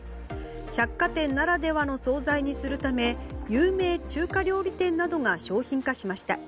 百貨店ならではの総菜にするため有名中華料理店などが商品化しました。